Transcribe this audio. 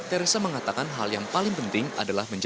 teresa mengatakan hal yang paling penting adalah menjaga